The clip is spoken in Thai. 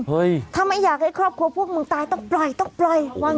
เฮ้ยถ้าไม่อยากให้ครอบครัวพวกมึงตายต้องปล่อยต้องปล่อยวาง